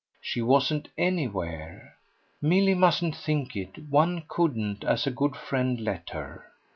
She wasn't anywhere. Milly mustn't think it one couldn't, as a good friend, let her.